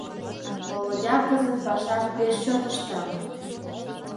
— Володя кызыт пашам пеш чот ышта.